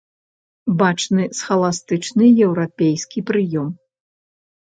Бачны схаластычны еўрапейскі прыём.